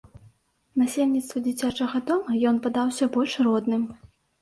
Насельніцтву дзіцячага дома ён падаўся больш родным.